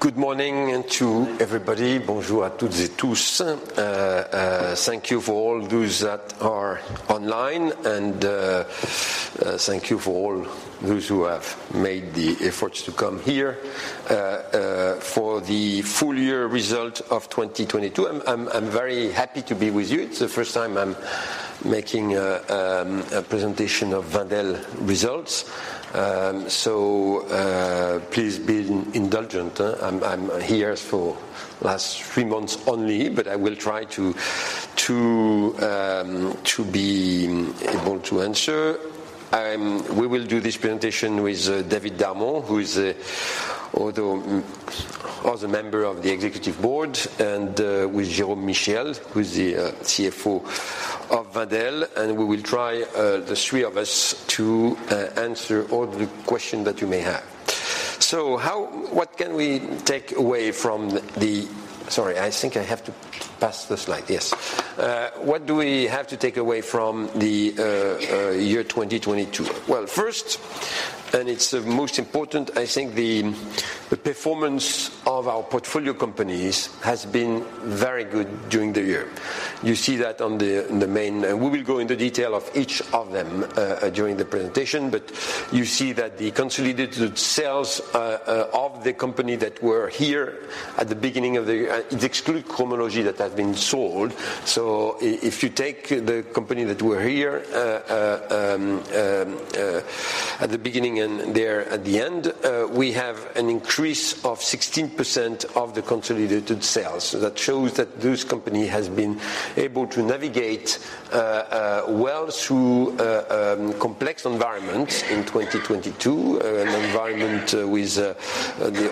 Good morning to everybody. Bonjour à toutes et tous. Thank you for all those that are online, and thank you for all those who have made the efforts to come here. For the full year result of 2022, I'm very happy to be with you. It's the first time I'm making a presentation of Wendel results, so please be indulgent. I'm here for last three months only, but I will try to be able to answer. We will do this presentation with David Darmon, who is the other member of the executive board, and with Jérôme Michiels, who is the CFO of Wendel. We will try the three of us to answer all the question that you may have. What can we take away from the. Sorry, I think I have to pass the Slide. Yes. What do we have to take away from the year 2022? First, and it's the most important, I think the performance of our portfolio companies has been very good during the year. You see that on the. We will go into detail of each of them during the presentation. You see that the consolidated sales of the company that were here at the beginning of the. It exclude Cromology that has been sold. If you take the company that were here at the beginning and there at the end, we have an increase of 16% of the consolidated sales. That shows that this company has been able to navigate well through a complex environment in 2022, an environment with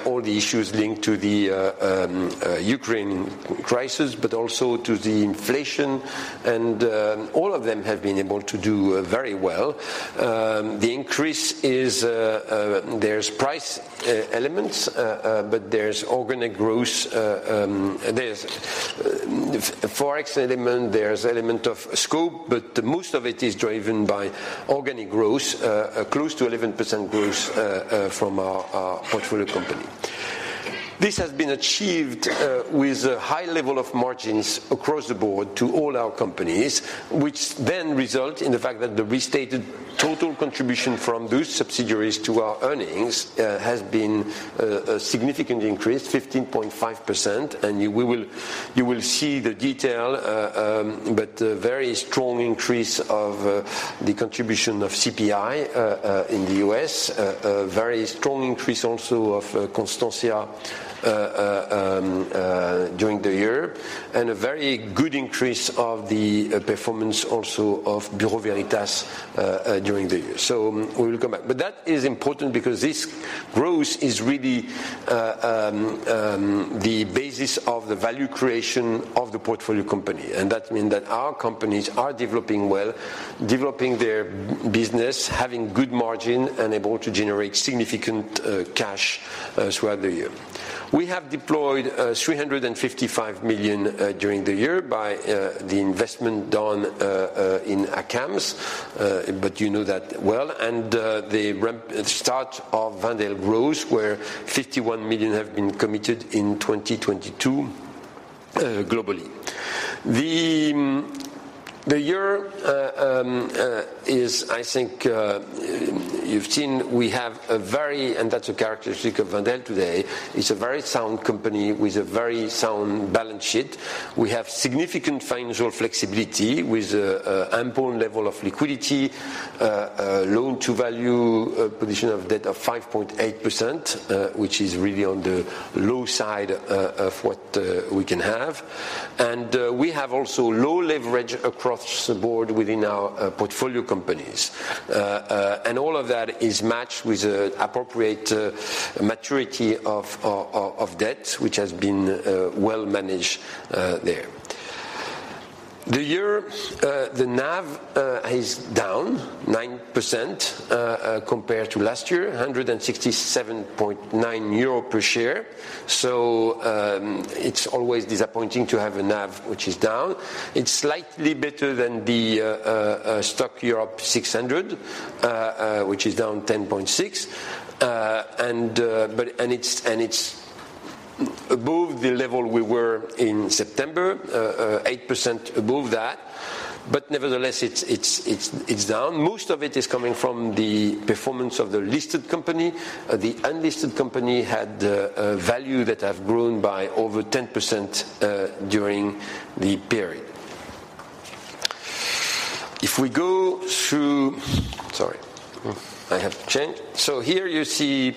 all the issues linked to the Ukraine crisis, but also to the inflation. All of them have been able to do very well. The increase is there's price elements, but there's organic growth. There's Forex element, there's element of scope, but most of it is driven by organic growth, close to 11% growth from our portfolio company. This has been achieved with a high level of margins across the board to all our companies, which then result in the fact that the restated total contribution from those subsidiaries to our earnings has been a significant increase, 15.5%. You will see the detail, but a very strong increase of the contribution of CPI in the U.S.. A very strong increase also of Constantia during the year, and a very good increase of the performance also of Bureau Veritas during the year. We will come back. That is important because this growth is really the basis of the value creation of the portfolio company. That mean that our companies are developing well, developing their business, having good margin, and able to generate significant cash throughout the year. We have deployed 355 million during the year by the investment done in ACAMS, but you know that well. start of Wendel Growth, where 51 million have been committed in 2022 globally. The year is, I think, you've seen we have a very sound company with a very sound balance sheet. We have significant financial flexibility with an important level of liquidity, loan to value position of debt of 5.8%, which is really on the low side of what we can have. We have also low leverage across the board within our portfolio companies. All of that is matched with an appropriate maturity of debt, which has been well managed there. The year, the NAV is down 9% compared to last year, 167.9 euro per share. It's always disappointing to have a NAV which is down. It's slightly better than the STOXX Europe 600, which is down 10.6%. It's above the level we were in September, 8% above that. Nevertheless, it's down. Most of it is coming from the performance of the listed company. The unlisted company had a value that have grown by over 10% during the period. If we go through... Sorry. I have changed. Here you see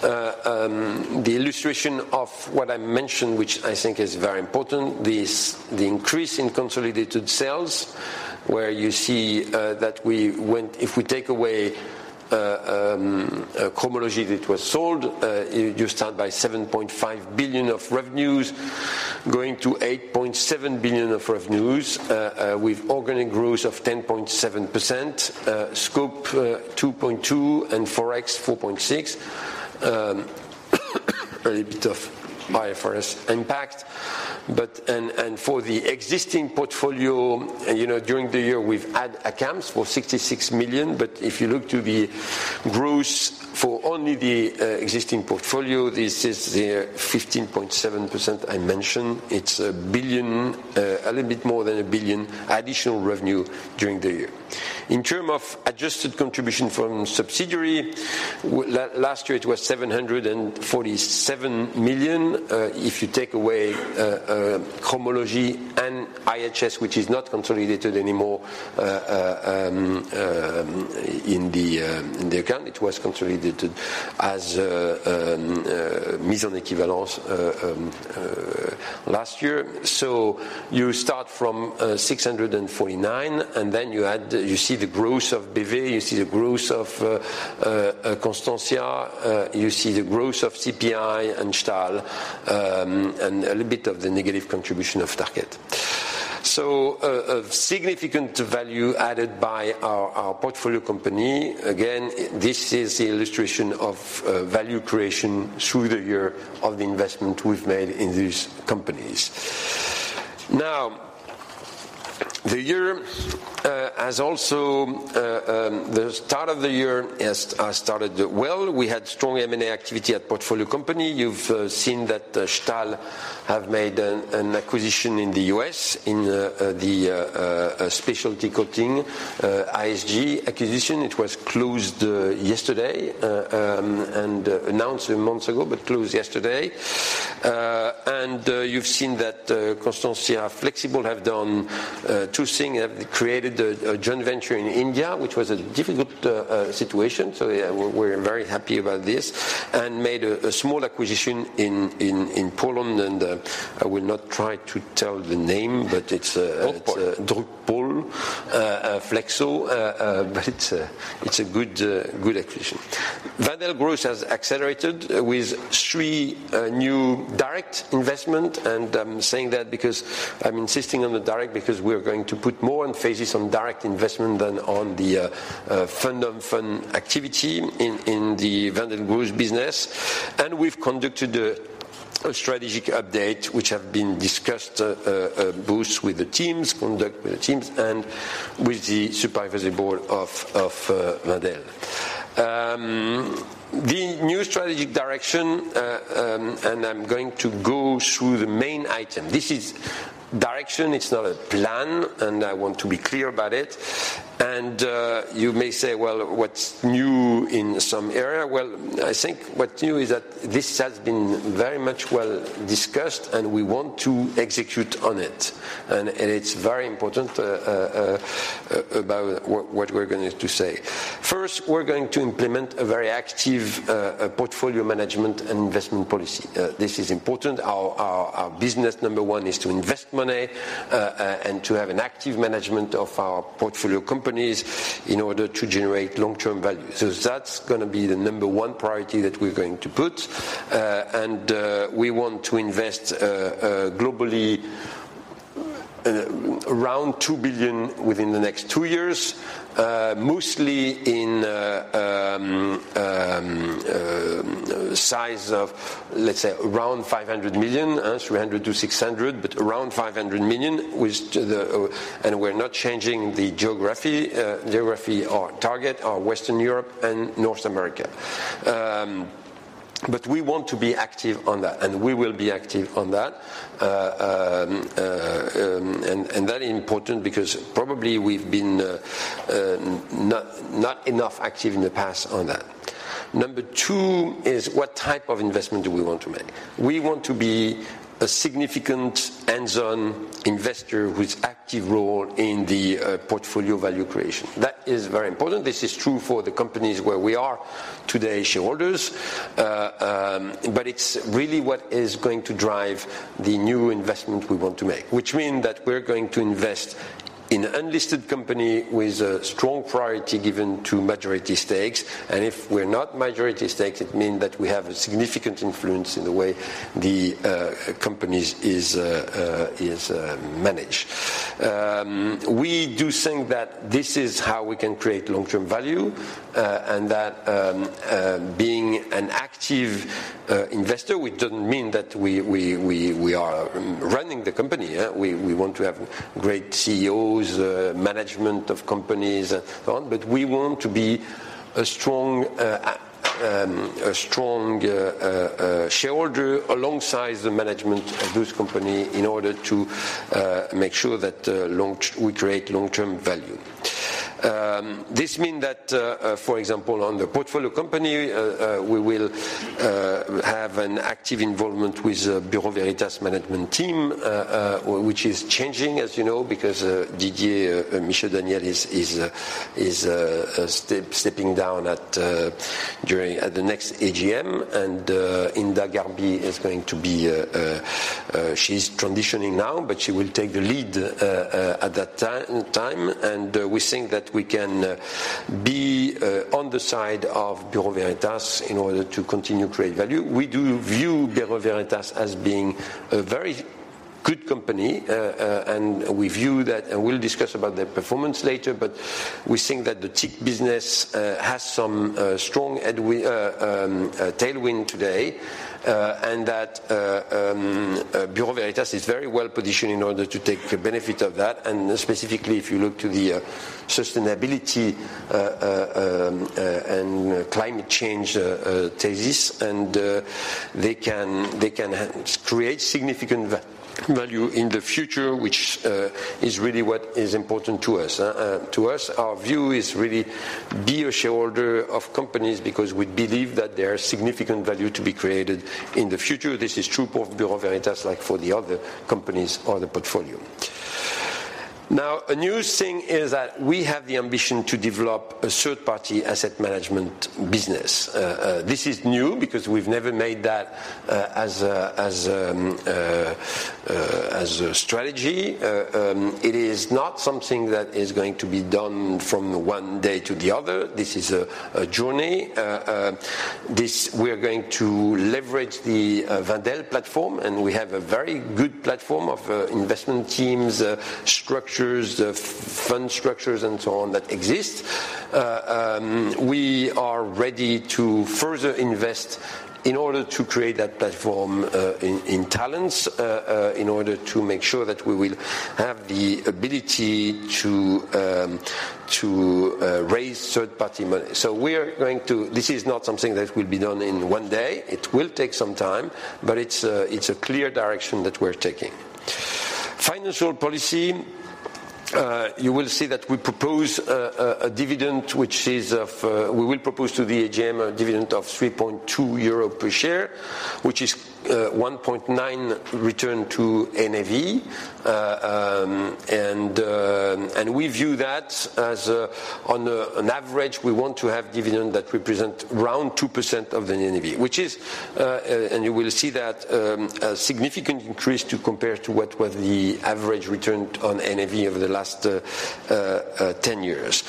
the illustration of what I mentioned, which I think is very important. This, the increase in consolidated sales, where you see, if we take away Cromology that was sold, you start by 7.5 billion of revenues going to 8.7 billion of revenues, with organic growth of 10.7%, scope 2.2%, and forex 4.6%, a little bit of IFRS impact. For the existing portfolio, you know, during the year we've had accounts for 66 million. If you look to the gross for only the existing portfolio, this is the 15.7% I mentioned. It's 1 billion, a little bit more than 1 billion additional revenue during the year. In terms of adjusted contribution from subsidiary, last year it was 747 million. If you take away Cromology and IHS, which is not consolidated anymore in the account. It was consolidated as mise en équivalence last year. You start from 649, you see the growth of BV, you see the growth of Constantia, you see the growth of CPI and Stahl, and a little bit of the negative contribution of Tarkett. A significant value added by our portfolio company. Again, this is the illustration of value creation through the year of the investment we've made in these companies. The year has also the start of the year has started well. We had strong M&A activity at portfolio company. You've seen that Stahl have made an acquisition in the U.S. in the specialty coating ISG acquisition. It was closed yesterday and announced months ago, but closed yesterday. You've seen that Constantia Flexibles have done two thing, have created a joint venture in India, which was a difficult situation. Yeah, we're very happy about this. Made a small acquisition in Poland, and I will not try to tell the name, but it's. Drukpol. Drukpol, Flexo. It's a good acquisition. Wendel Growth has accelerated with three new direct investment. I'm saying that because I'm insisting on the direct, because we're going to put more emphasis on direct investment than on the fund of fund activity in the Wendel Growth business. We've conducted a strategic update which have been discussed both with the teams, conduct with the teams, and with the supervisory board of Wendel. The new strategic direction, I'm going to go through the main item. This is direction, it's not a plan, and I want to be clear about it. You may say, "Well, what's new in some area?" Well, I think what's new is that this has been very much well discussed, we want to execute on it. It's very important about what we're going to say. First, we're going to implement a very active portfolio management investment policy. This is important. Our business number one is to invest money, to have an active management of our portfolio companies in order to generate long-term value. That's gonna be the number one priority that we're going to put. We want to invest globally around 2 billion within the next 2 years, mostly in size of, let's say, around 500 million. 300 million-600 million, but around 500 million, which we're not changing the geography or target of Western Europe and North America. We want to be active on that, and we will be active on that. That is important because probably we've been not enough active in the past on that. Number two is what type of investment do we want to make? We want to be a significant hands-on investor with active role in the portfolio value creation. That is very important. This is true for the companies where we are today shareholders. It's really what is going to drive the new investment we want to make. Which mean that we're going to invest in unlisted company with a strong priority given to majority stakes. If we're not majority stakes, it mean that we have a significant influence in the way the company is managed. We do think that this is how we can create long-term value, and that being an active investor, which doesn't mean that we are running the company. We want to have great CEOs, management of companies and so on. We want to be a strong, a strong shareholder alongside the management of those company in order to make sure that we create long-term value. This mean that, for example, on the portfolio company, we will have an active involvement with Bureau Veritas management team, which is changing, as you know, because Didier Michaud-Daniel is stepping down at the next AGM. Hinda Gharbi is going to be, she's transitioning now, but she will take the lead at that time. We think that we can be on the side of Bureau Veritas in order to continue to create value. We do view Bureau Veritas as being a very good company, and we view that, and we'll discuss about their performance later. We think that the TIC business has some strong tailwind today. That Bureau Veritas is very well positioned in order to take the benefit of that. Specifically, if you look to the sustainability and climate change thesis, they can create significant value in the future, which is really what is important to us. To us, our view is really be a shareholder of companies because we believe that there are significant value to be created in the future. This is true for Bureau Veritas like for the other companies on the portfolio. A new thing is that we have the ambition to develop a third-party asset management business. This is new because we've never made that as a strategy. It is not something that is going to be done from one day to the other. This is a journey. We are going to leverage the Wendel platform, and we have a very good platform of investment teams, structures, fund structures, and so on, that exist. We are ready to further invest in order to create that platform, in talents, in order to make sure that we will have the ability to raise third-party money. This is not something that will be done in one day. It will take some time, but it's a clear direction that we're taking. Financial policy, you will see that we propose a dividend which is of... We will propose to the AGM a dividend of 3.2 euro per share, which is 1.9% return to NAV. We view that as on average, we want to have dividend that represent around 2% of the NAV. Which is, you will see that, a significant increase to compare to what was the average return on NAV over the last 10 years.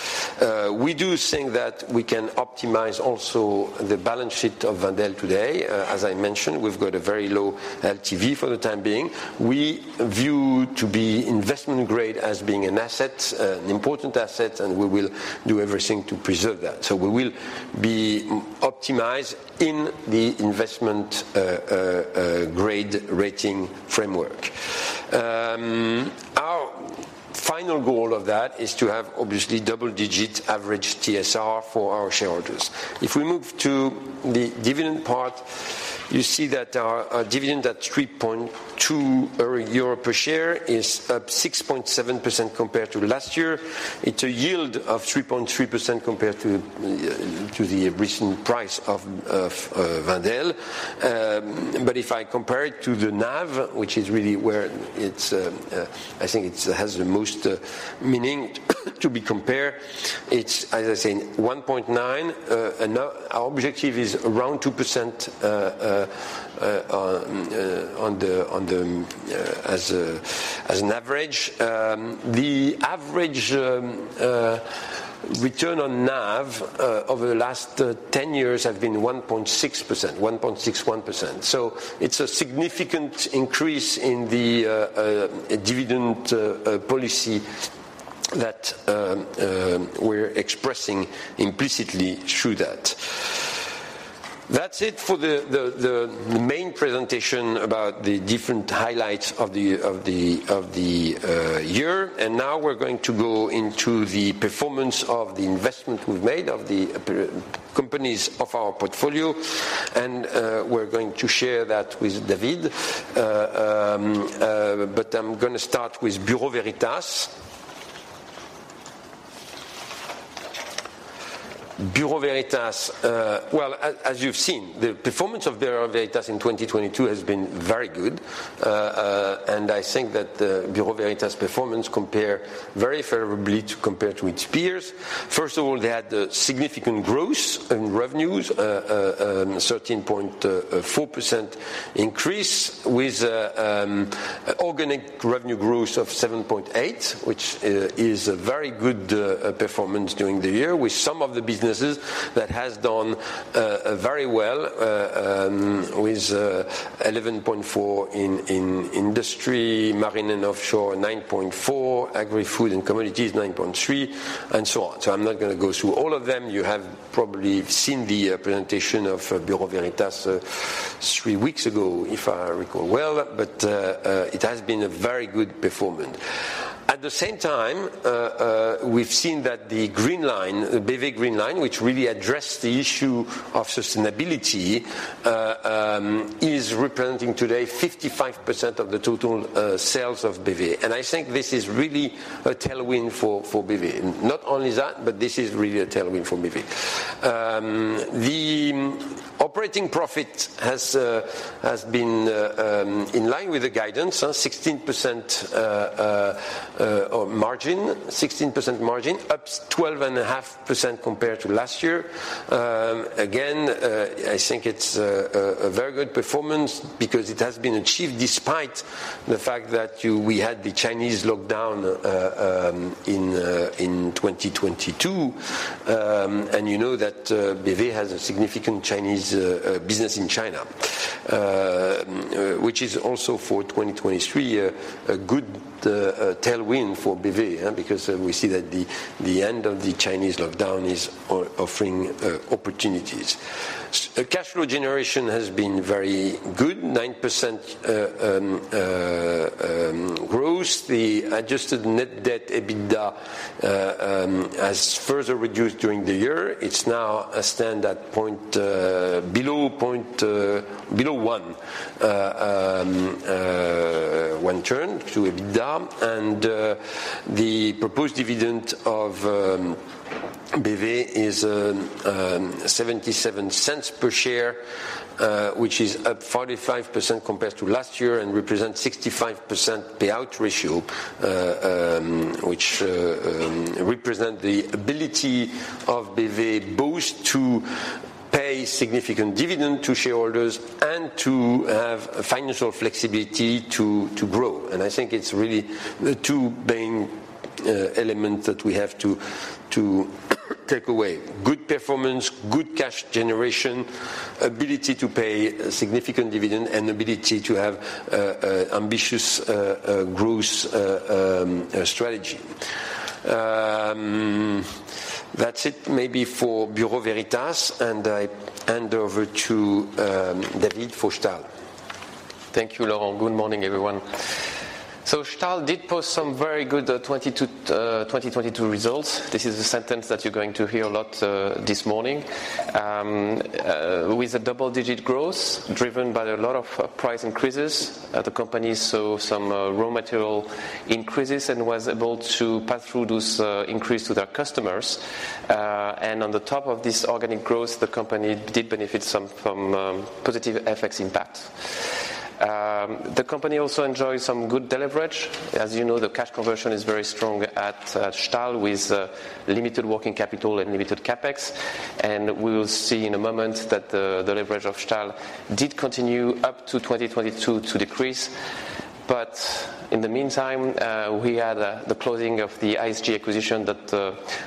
We do think that we can optimize also the balance sheet of Wendel today. As I mentioned, we've got a very low LTV for the time being. We view to be investment grade as being an asset, an important asset, we will do everything to preserve that. We will be optimized in the investment grade rating framework. Our final goal of that is to have, obviously, double-digit average TSR for our shareholders. We move to the dividend part, you see that our dividend at 3.2 euro per share is up 6.7% compared to last year. It's a yield of 3.3% compared to the recent price of Wendel. If I compare it to the NAV, which is really where it's, I think it has the most meaning to be compared, it's, as I said, 1.9%. Our objective is around 2% on the as an average. The average return on NAV over the last 10 years have been 1.6%, 1.61%. It's a significant increase in the dividend policy that we're expressing implicitly through that. That's it for the main presentation about the different highlights of the year. Now we're going to go into the performance of the investment we've made of the companies of our portfolio. We're going to share that with David. I'm gonna start with Bureau Veritas. Bureau Veritas, well, as you've seen, the performance of Bureau Veritas in 2022 has been very good, and I think that Bureau Veritas' performance compare very favorably to its peers. First of all, they had significant growth in revenues, 13.4% increase with organic revenue growth of 7.8%, which is a very good performance during the year with some of the businesses that has done very well with 11.4% in industry, marine and offshore 9.4%, agri-food and commodities 9.3%, and so on. I'm not gonna go through all of them. You have probably seen the presentation of Bureau Veritas, 3 weeks ago, if I recall well. It has been a very good performance. At the same time, we've seen that the Green Line, the BV Green Line, which really addressed the issue of sustainability, is representing today 55% of the total sales of BV. I think this is really a tailwind for BV. This is really a tailwind for BV. The operating profit has been in line with the guidance, so 16% margin, ups 12.5% compared to last year. Again, I think it's a very good performance because it has been achieved despite the fact that we had the Chinese lockdown in 2022. You know that BV has a significant Chinese business in China, which is also for 2023 a good tailwind for BV, because we see that the end of the Chinese lockdown is offering opportunities. Cash flow generation has been very good, 9% growth. The adjusted net debt EBITDA has further reduced during the year. It's now below one turn to EBITDA. The proposed dividend of BV is 0.77 per share, which is up 45% compared to last year and represents 65% payout ratio, which represent the ability of BV both to pay significant dividend to shareholders and to have financial flexibility to grow. I think it's really the two main element that we have to take away. Good performance, good cash generation, ability to pay significant dividend, and ability to have ambitious growth strategy. That's it maybe for Bureau Veritas, I hand over to David for Stahl. Thank you, Laurent. Good morning, everyone. Stahl did post some very good 2022 results. This is a sentence that you're going to hear a lot this morning. With a double-digit growth driven by a lot of price increases, the company saw some raw material increases and was able to pass through those increase to their customers. And on the top of this organic growth, the company did benefit some from positive FX impact. The company also enjoys some good deleverage. As you know, the cash conversion is very strong at Stahl with limited working capital and limited CapEx. We will see in a moment that the leverage of Stahl did continue up to 2022 to decrease. In the meantime, we had the closing of the ISG acquisition that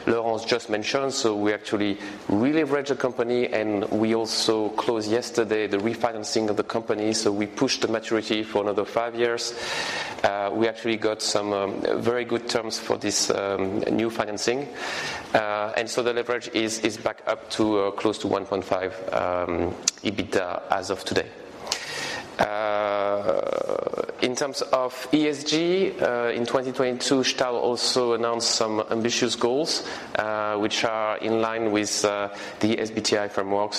Laurent just mentioned. We actually releveraged the company, and we also closed yesterday the refinancing of the company. We pushed the maturity for another 5 years. We actually got some very good terms for this new financing. The leverage is back up to close to 1.5x EBITDA as of today. In terms of ESG, in 2022, Stahl also announced some ambitious goals, which are in line with the SBTi framework,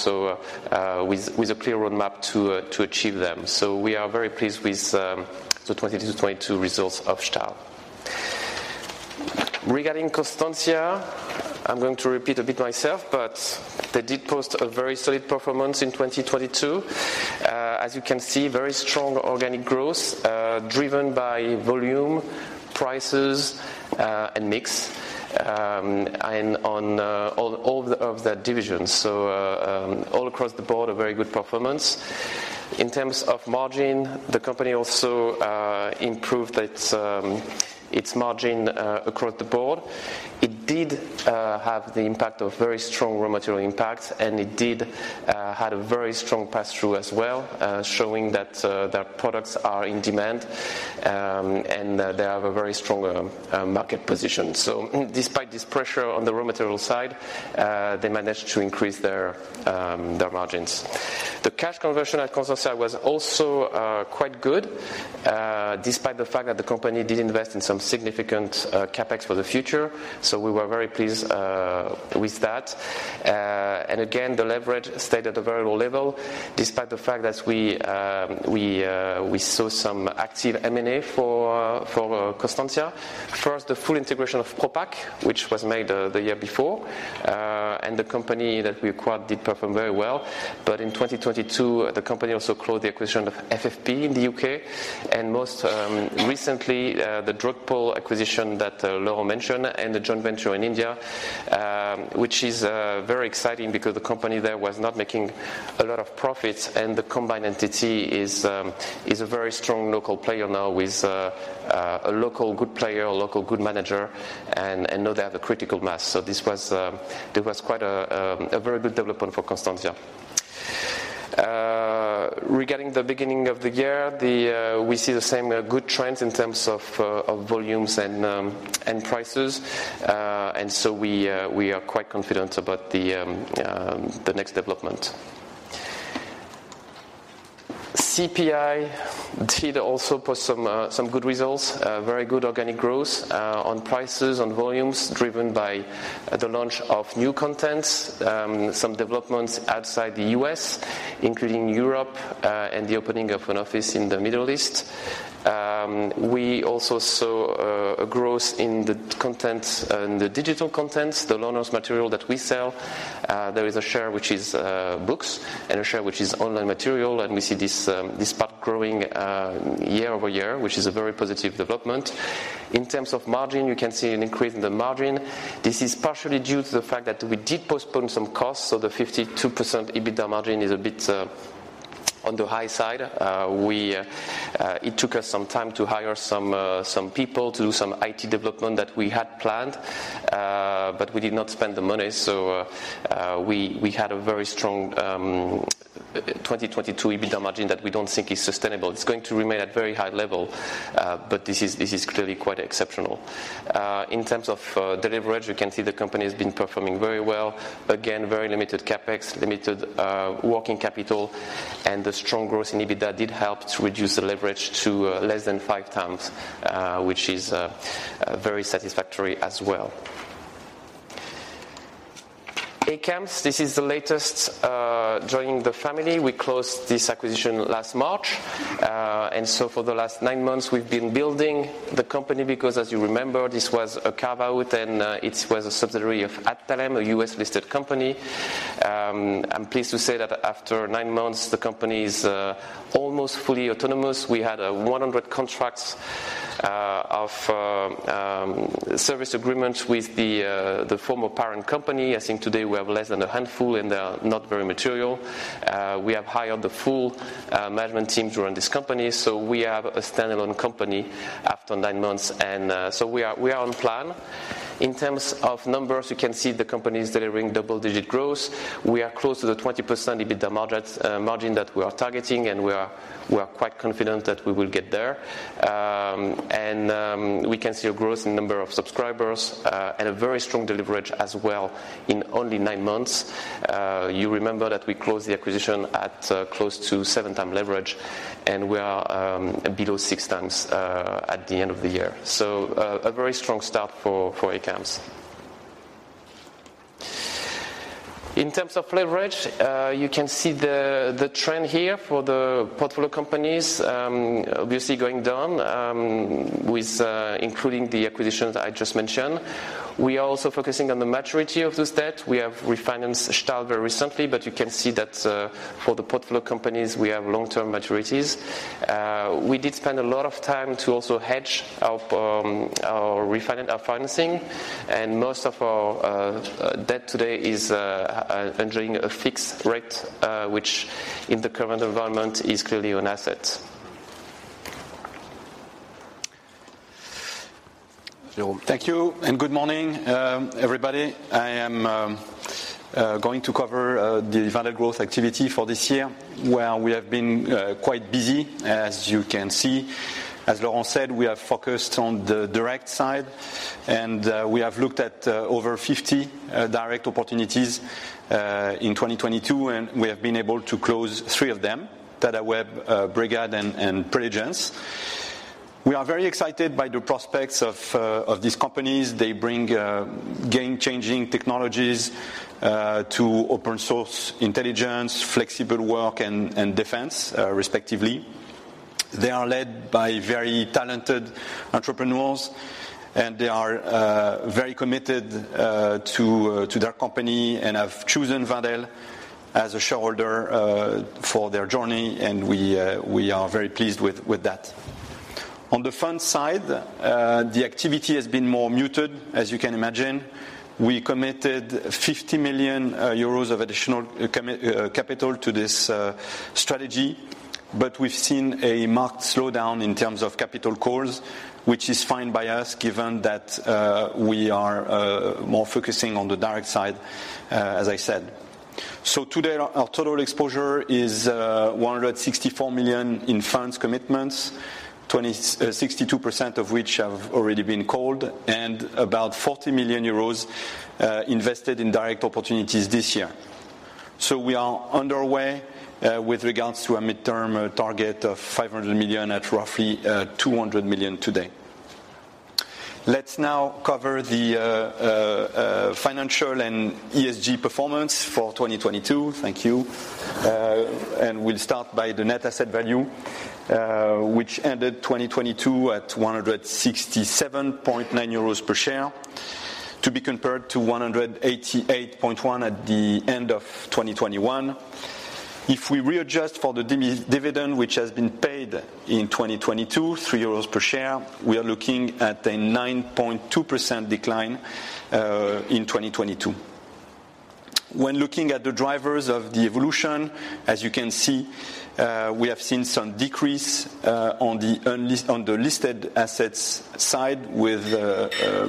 with a clear roadmap to achieve them. We are very pleased with the 2022 results of Stahl. Regarding Constantia, I'm going to repeat a bit myself, but they did post a very solid performance in 2022. As you can see, very strong organic growth, driven by volume, prices, and mix, and on all of the divisions. All across the board, a very good performance. In terms of margin, the company also improved its margin across the board. It did had the impact of very strong raw material impact, and it did had a very strong pass-through as well, showing that their products are in demand, and they have a very strong market position. Despite this pressure on the raw material side, they managed to increase their margins. The cash conversion at Constantia was also quite good, despite the fact that the company did invest in some significant CapEx for the future. We were very pleased with that. Again, the leverage stayed at a very low level despite the fact that we saw some active M&A for Constantia. The full integration of Propak, which was made the year before, and the company that we acquired did perform very well. In 2022, the company also closed the acquisition of FFP in the UK, and most recently, the Drukpol acquisition that Laurent mentioned and the joint venture in India, which is very exciting because the company there was not making a lot of profits, and the combined entity is a very strong local player now with a local good player, a local good manager, and now they have a critical mass. This was quite a very good development for Constantia. Regarding the beginning of the year, we see the same good trends in terms of volumes and prices. We are quite confident about the next development. CPI did also post some good results, very good organic growth on prices, on volumes, driven by the launch of new contents, some developments outside the U.S., including Europe, and the opening of an office in the Middle East. We also saw a growth in the content, in the digital content, the linoleum material that we sell. There is a share which is books and a share which is online material, and we see this part growing year over year, which is a very positive development. In terms of margin, you can see an increase in the margin. This is partially due to the fact that we did postpone some costs, the 52% EBITDA margin is a bit. On the high side, we, it took us some time to hire some people to do some IT development that we had planned. We did not spend the money. We had a very strong 2022 EBITDA margin that we don't think is sustainable. It's going to remain at very high level. This is clearly quite exceptional. In terms of the leverage, we can see the company has been performing very well. Again, very limited CapEx, limited working capital. The strong growth in EBITDA did help to reduce the leverage to less than 5x, which is very satisfactory as well. ACAMS, this is the latest joining the family. We closed this acquisition last March. For the last 9 months, we've been building the company because as you remember, this was a carve-out, and it was a subsidiary of Adtalem, a U.S.-listed company. I'm pleased to say that after 9 months, the company is almost fully autonomous. We had 100 contracts of service agreements with the former parent company. I think today we have less than a handful, and they are not very material. We have hired the full management team to run this company. We have a standalone company after 9 months. We are, we are on plan. In terms of numbers, you can see the company is delivering double-digit growth. We are close to the 20% EBITDA margin that we are targeting, and we are quite confident that we will get there. We can see a growth in number of subscribers, and a very strong leverage as well in only 9 months. You remember that we closed the acquisition at, close to 7x leverage, and we are below 6x at the end of the year. A very strong start for ACAMS. In terms of leverage, you can see the trend here for the portfolio companies, obviously going down, with including the acquisitions I just mentioned. We are also focusing on the maturity of this debt. We have refinanced Stahl very recently. You can see that, for the portfolio companies, we have long-term maturities. We did spend a lot of time to also hedge our financing, and most of our debt today is enjoying a fixed rate, which in the current environment is clearly an asset. Jérôme. Thank you. Good morning, everybody. I am going to cover the value growth activity for this year, where we have been quite busy, as you can see. As Laurent said, we are focused on the direct side. We have looked at over 50 direct opportunities in 2022, and we have been able to close three of them, Tadaweb, Brigad, and Preligens. We are very excited by the prospects of these companies. They bring game-changing technologies to open source intelligence, flexible work and defense, respectively. They are led by very talented entrepreneurs. They are very committed to their company and have chosen Wendel as a shareholder for their journey, and we are very pleased with that. On the fund side, the activity has been more muted, as you can imagine. We committed 50 million euros of additional capital to this strategy. We've seen a marked slowdown in terms of capital calls, which is fine by us given that we are more focusing on the direct side, as I said. Today our total exposure is 164 million in funds commitments, 62% of which have already been called, and about 40 million euros invested in direct opportunities this year. We are underway with regards to a midterm target of 500 million at roughly 200 million today. Let's now cover the financial and ESG performance for 2022. Thank you. We'll start by the net asset value, which ended 2022 at 167.9 euros per share. To be compared to 188.1 at the end of 2021. If we readjust for the dividend which has been paid in 2022, 3 euros per share, we are looking at a 9.2% decline in 2022. When looking at the drivers of the evolution, as you can see, we have seen some decrease on the listed assets side with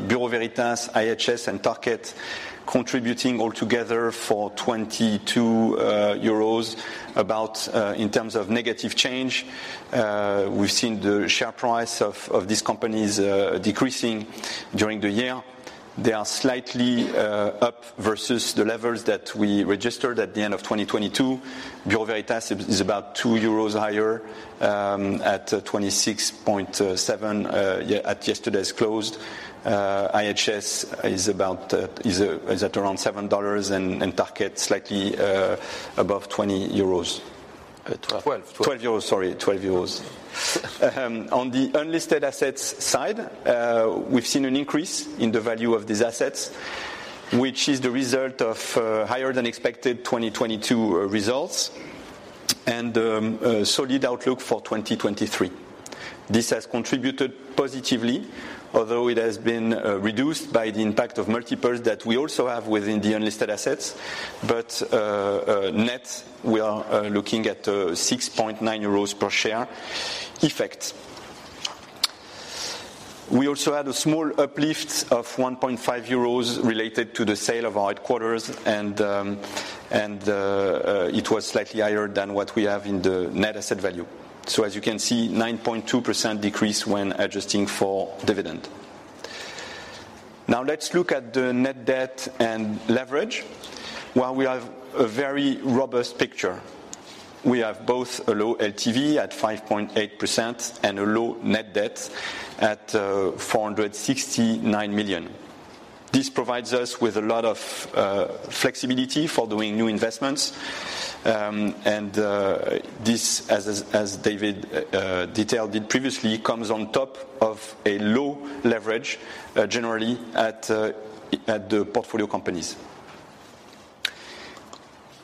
Bureau Veritas, IHS, and Tarkett contributing all together for 22 euros about in terms of negative change. We've seen the share price of these companies decreasing during the year. They are slightly up versus the levels that we registered at the end of 2022. Bureau Veritas is about 2 euros higher at 26.7 at yesterday's close. IHS is at around $7 and Tarkett slightly above 20 euros. 12. 12 euros, sorry. 12 euros. On the unlisted assets side, we've seen an increase in the value of these assets, which is the result of higher than expected 2022 results and a solid outlook for 2023. This has contributed positively, although it has been reduced by the impact of multiples that we also have within the unlisted assets. But, net, we are looking at a 6.9 euros per share effect. We also had a small uplift of 1.5 euros related to the sale of our headquarters, and it was slightly higher than what we have in the net asset value. As you can see, 9.2% decrease when adjusting for dividend. Now, let's look at the net debt and leverage. While we have a very robust picture, we have both a low LTV at 5.8% and a low net debt at 469 million. This provides us with a lot of flexibility for doing new investments. This, as David detailed it previously, comes on top of a low leverage generally at the portfolio companies.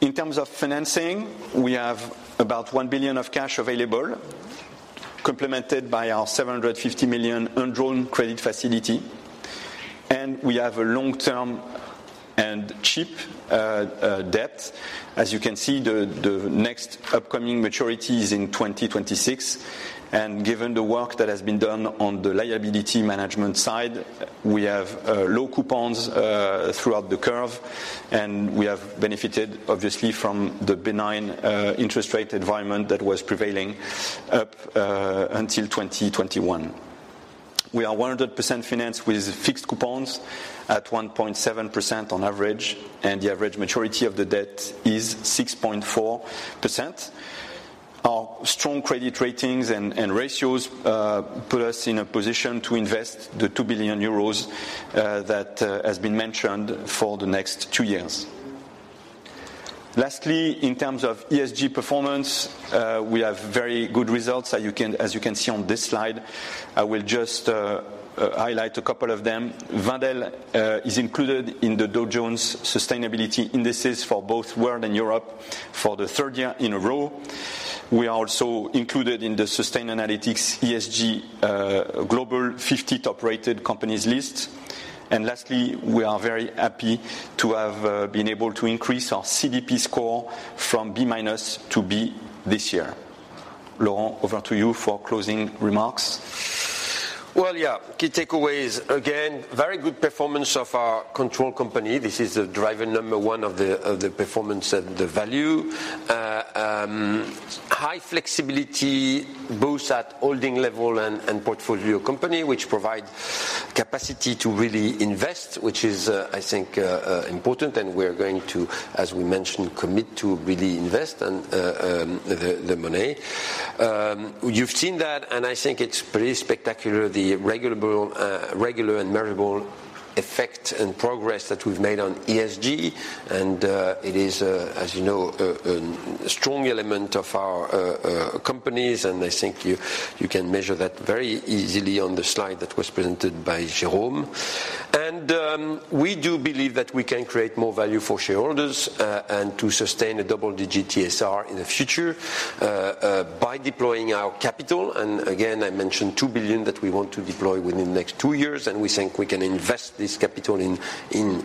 In terms of financing, we have about 1 billion of cash available, complemented by our 750 million undrawn credit facility. We have a long-term and cheap debt. As you can see, the next upcoming maturity is in 2026. Given the work that has been done on the liability management side, we have low coupons throughout the curve, and we have benefited, obviously, from the benign interest rate environment that was prevailing up until 2021. We are 100% financed with fixed coupons at 1.7% on average, and the average maturity of the debt is 6.4%. Our strong credit ratings and ratios put us in a position to invest the 2 billion euros that has been mentioned for the next 2 years. Lastly, in terms of ESG performance, we have very good results, as you can see on this Slide. I will just highlight a couple of them. Wendel is included in the Dow Jones Sustainability Indices for both World and Europe for the third year in a row. We are also included in the Sustainalytics ESG Global 50 Top Rated Companies list. Lastly, we are very happy to have been able to increase our CDP score from B- to B this year. Laurent, over to you for closing remarks. Well, yeah. Key takeaways. Again, very good performance of our control company. This is the driver number one of the performance and the value. High flexibility both at holding level and portfolio company, which provide capacity to really invest, which is, I think, important. We're going to, as we mentioned, commit to really invest in the money. You've seen that, and I think it's pretty spectacular, the regulable, regular and measurable effect and progress that we've made on ESG. It is, as you know, a strong element of our companies, and I think you can measure that very easily on the Slide that was presented by Jérôme. We do believe that we can create more value for shareholders and to sustain a double-digit TSR in the future by deploying our capital. I mentioned 2 billion that we want to deploy within the next 2 years, and we think we can invest this capital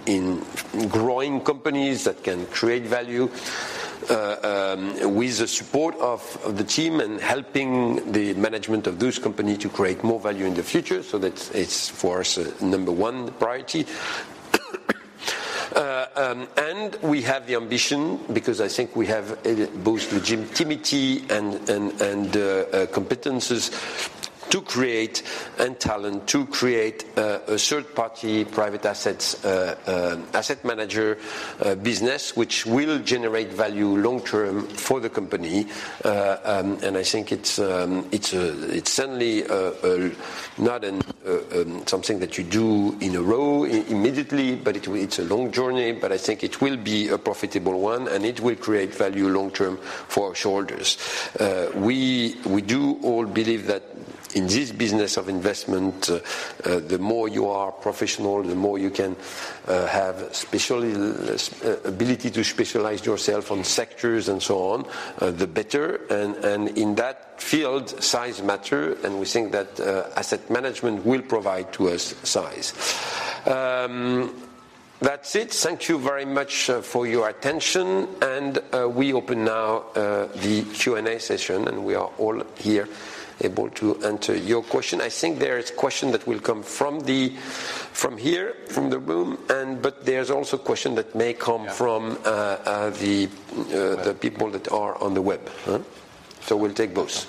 in growing companies that can create value with the support of the team and helping the management of those companies to create more value in the future. It's for us, number one priority. We have the ambition, because I think we have both the legitimacy and competencies and talent to create a third-party private assets asset manager business, which will generate value long-term for the company. I think it's certainly not something that you do in a row immediately, but it's a long journey, but I think it will be a profitable one, and it will create value long-term for our shareholders. We do all believe that in this business of investment, the more you are professional, the more you can have special ability to specialize yourself on sectors and so on, the better. In that field, size matter, and we think that asset management will provide to us size. That's it. Thank you very much for your attention. We open now the Q&A session, and we are all here able to answer your question. I think there is question that will come from the, from here, from the room and, but there's also question that may come. Yeah Web... the people that are on the web. Huh? We'll take both.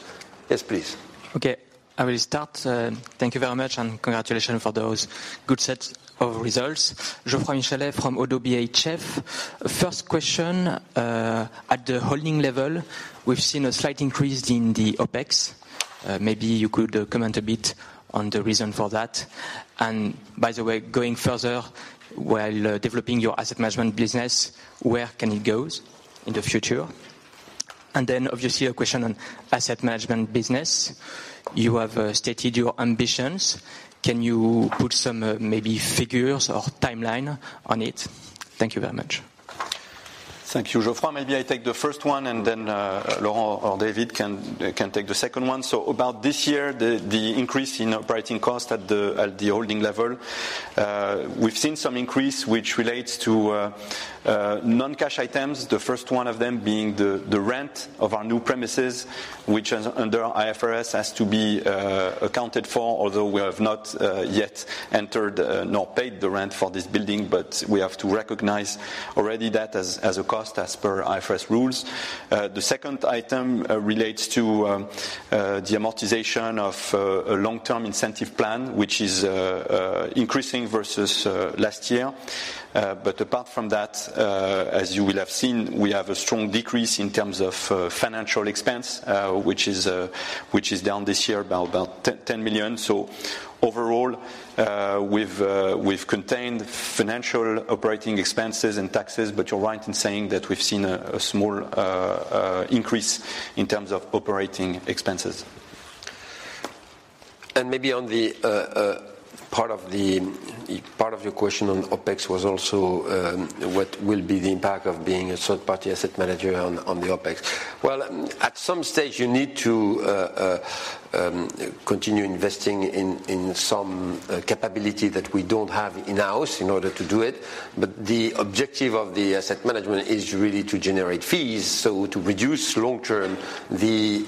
Yes, please. Okay, I will start. Thank you very much, and congratulations for those good sets of results. Geoffroy Michalet from ODDO BHF. First question, at the holding level, we've seen a slight increase in the OpEx. Maybe you could comment a bit on the reason for that. By the way, going further, while developing your asset management business, where can it go in the future? Then obviously, a question on asset management business. You have stated your ambitions. Can you put some maybe figures or timeline on it? Thank you very much. Thank you, Geoffroy. Maybe I take the first one, and then, Laurent or David can take the second one. About this year, the increase in operating costs at the holding level, we've seen some increase which relates to, non-cash items. The first one of them being the rent of our new premises, which is under IFRS has to be, accounted for, although we have not, yet entered, nor paid the rent for this building. We have to recognize already that as a cost as per IFRS rules. The second item, relates to, the amortization of, a long-term incentive plan, which is, increasing versus, last year. Apart from that, as you will have seen, we have a strong decrease in terms of financial expense, which is down this year about 10 million. Overall, we've contained financial operating expenses and taxes. But right in saying that we've seen a small increase in terms of operating expenses. Maybe on the part of the part of your question on OpEx was also what will be the impact of being a third-party asset manager on the OpEx? Well, at some stage, you need to continue investing in some capability that we don't have in-house in order to do it. The objective of the asset management is really to generate fees, so to reduce long-term the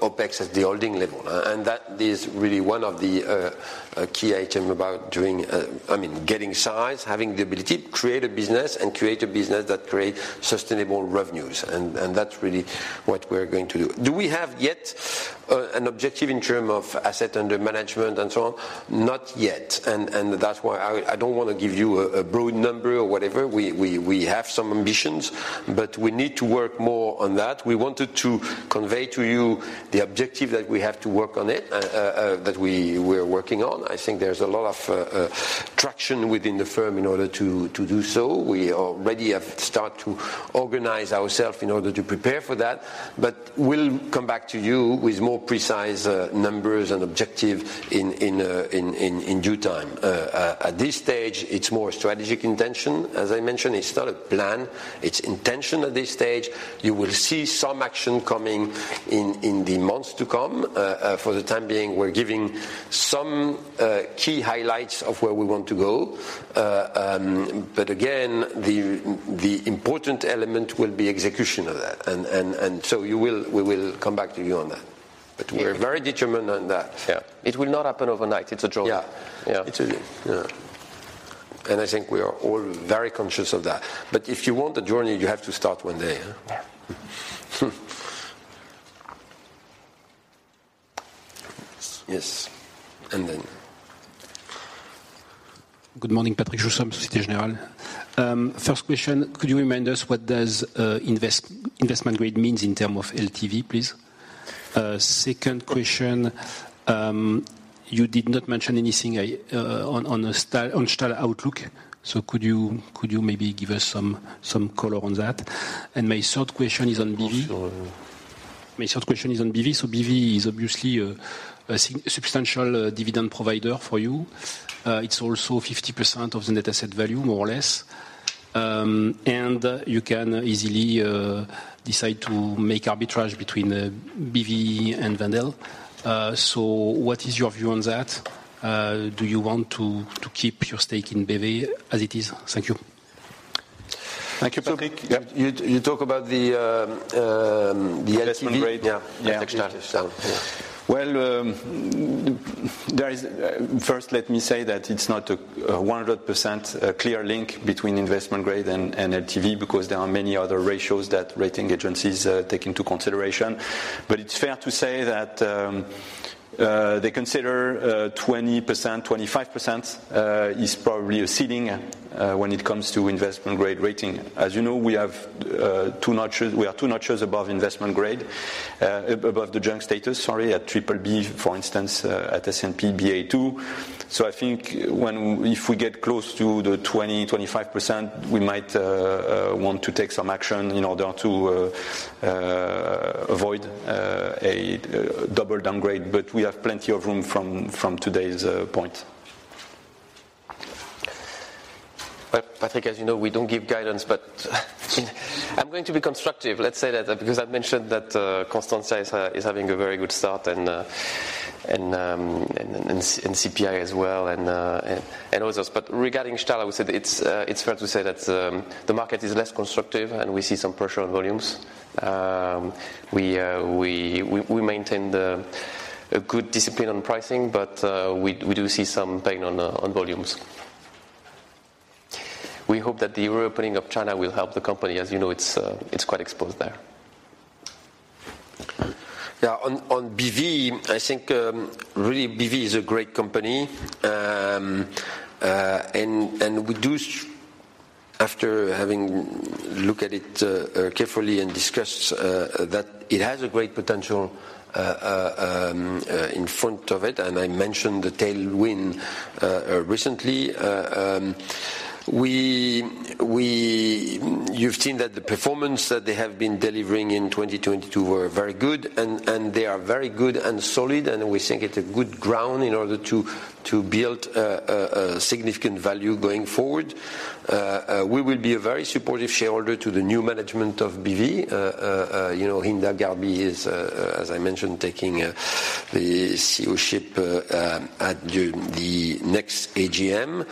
OpEx at the holding level. That is really one of the key item about doing, I mean, getting size, having the ability to create a business and create a business that create sustainable revenues. That's really what we're going to do. Do we have yet an objective in term of asset under management and so on? Not yet. That's why I don't wanna give you a broad number or whatever. We have some ambitions, but we need to work more on that. We wanted to convey to you the objective that we have to work on it that we're working on. I think there's a lot of traction within the firm in order to do so. We already have start to organize ourself in order to prepare for that. We'll come back to you with more precise numbers and objective in due time. At this stage, it's more strategic intention. As I mentioned, it's not a plan, it's intention at this stage. You will see some action coming in the months to come. For the time being, we're giving some key highlights of where we want to go. Again, the important element will be execution of that. We will come back to you on that. We're very determined on that. Yeah. It will not happen overnight. It's a journey. Yeah. Yeah. It's. Yeah. I think we are all very conscious of that. If you want a journey, you have to start one day, huh? Yeah. Yes. Then. Good morning, Patrick. First question, could you remind us what does investment grade means in terms of LTV, please? Second question, you did not mention anything on Stahl outlook. Could you maybe give us some color on that? My third question is on BV. Also. My third question is on BV. BV is obviously a substantial dividend provider for you. It's also 50% of the net asset value, more or less. You can easily decide to make arbitrage between BV and Wendel. What is your view on that? Do you want to keep your stake in BV as it is? Thank you. Thank you, Patrick. Yeah. You talk about the LTV. Investment grade. Yeah. Yeah. At Stahl. Yeah. Well, first, let me say that it's not a 100% clear link between investment grade and LTV because there are many other ratios that rating agencies take into consideration. It's fair to say that they consider 20%, 25% is probably a ceiling when it comes to investment grade rating. As you know, we are 2 notches above investment grade, above the junk status, sorry, at triple B, for instance, at S&P Ba2. I think if we get close to the 20%, 25%, we might want to take some action in order to avoid a double downgrade. We have plenty of room from today's point. Well, Patrick, as you know, we don't give guidance, but I'm going to be constructive, let's say that, because I've mentioned that Constantia is having a very good start and CPI as well, and others. Regarding Stahl, I would say it's fair to say that the market is less constructive, and we see some pressure on volumes. We maintain a good discipline on pricing, but we do see some pain on volumes. We hope that the reopening of China will help the company. As you know, it's quite exposed there. Yeah. On BV, I think, really BV is a great company. We do, after having look at it, carefully and discussed, that it has a great potential, in front of it, and I mentioned the tailwind, recently. We you've seen that the performance that they have been delivering in 2022 were very good and they are very good and solid, and we think it's a good ground in order to build a significant value going forward. We will be a very supportive shareholder to the new management of BV. You know, Hinda Gharbi is, as I mentioned, taking the CEO ship at the next AGM.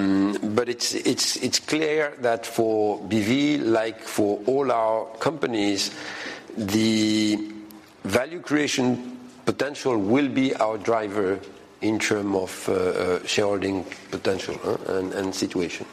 It's clear that for BV, like for all our companies, the value creation potential will be our driver in term of shareholding potential, huh, and situation.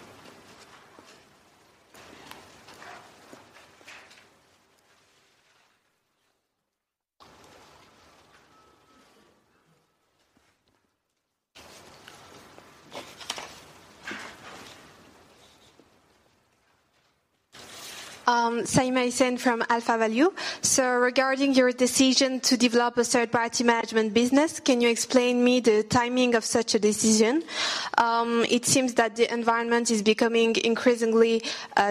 Saïma Hussain from AlphaValue. Regarding your decision to develop a third-party management business, can you explain me the timing of such a decision? It seems that the environment is becoming increasingly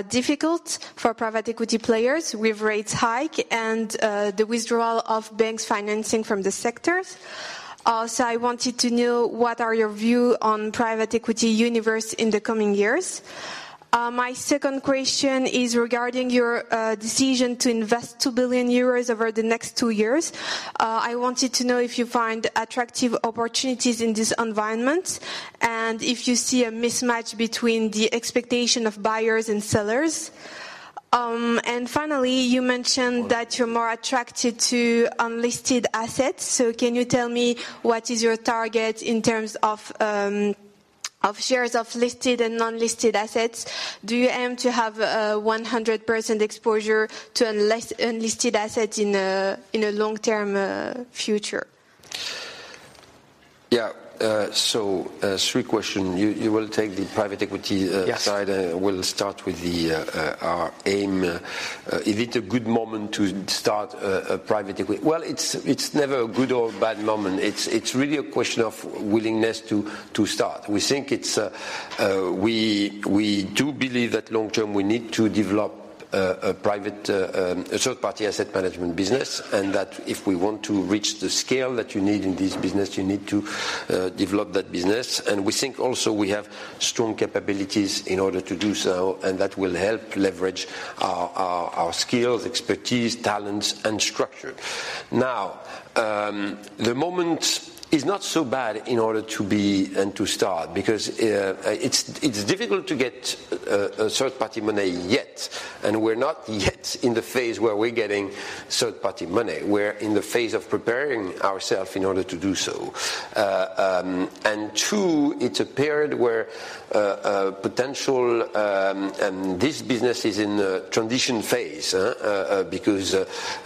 difficult for private equity players with rates hike and the withdrawal of banks financing from the sectors. Also, I wanted to know what are your view on private equity universe in the coming years. My second question is regarding your decision to invest 2 billion euros over the next 2 years. I wanted to know if you find attractive opportunities in this environment and if you see a mismatch between the expectation of buyers and sellers. Finally, you mentioned that you're more attracted to unlisted assets. Can you tell me what is your target in terms of shares of listed and non-listed assets? Do you aim to have 100% exposure to unlisted assets in a long-term future? Yeah. Three question. You will take the private equity. Yes side. We'll start with the, our aim. Is it a good moment to start a private equity? Well, it's never a good or bad moment. It's really a question of willingness to start. We think it's, we do believe that long term, we need to develop, a private, a third-party asset management business, and that if we want to reach the scale that you need in this business, you need to develop that business. We think also we have strong capabilities in order to do so, and that will help leverage our skills, expertise, talents, and structure. Now, the moment is not so bad in order to be and to start because it's difficult to get third-party money yet, and we're not yet in the phase where we're getting third-party money. We're in the phase of preparing ourself in order to do so. And two, it's a period where potential, and this business is in a transition phase because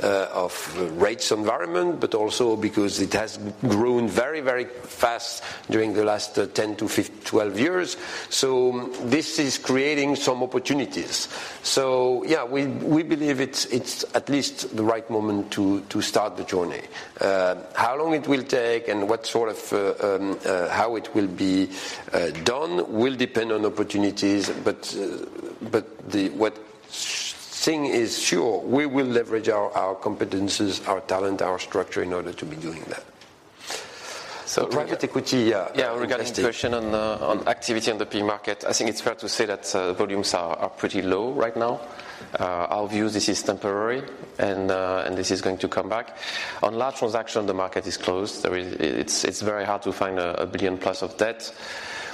of rates environment, but also because it has grown very, very fast during the last 10-12 years. This is creating some opportunities. Yeah, we believe it's at least the right moment to start the journey. How long it will take and what sort of how it will be done will depend on opportunities. What thing is sure, we will leverage our competencies, our talent, our structure in order to be doing that. Private equity. Regarding question on activity in the PE market, I think it's fair to say that volumes are pretty low right now. Our view, this is temporary and this is going to come back. On large transaction, the market is closed. It's very hard to find a 1 billion plus of debt.